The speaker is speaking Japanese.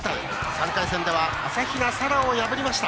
３回戦では朝比奈沙羅を破りました。